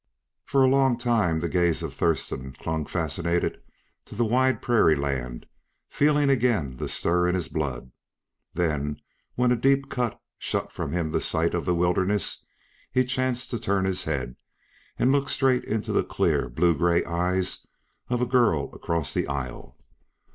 For a long time the gaze of Thurston clung fascinated to the wide prairie land, feeling again the stir in his blood. Then, when a deep cut shut from him the sight of the wilderness, he chanced to turn his head, and looked straight into the clear, blue gray eyes of a girl across the aisle.